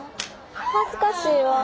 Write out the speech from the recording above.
恥ずかしいわ。